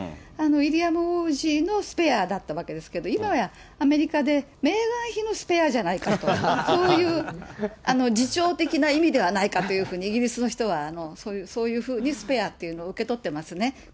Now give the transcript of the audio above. ウィリアム王子のスペアだったわけですけども、今やアメリカでメーガン妃のスペアじゃないかと、そういう自ちょう的な意味ではないかというふうに、イギリスの人は、そういうふうにスペアというのを受け取ってますね。